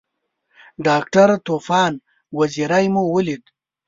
ډاکټر طوفان وزیری مو ولید.